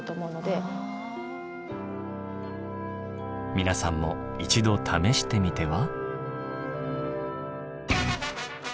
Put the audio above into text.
皆さんも一度試してみては？